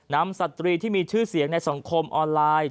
สตรีที่มีชื่อเสียงในสังคมออนไลน์